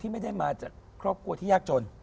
ไม่ได้มาจากครอบครัวที่ยากจน